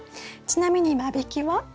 ちなみに間引きは？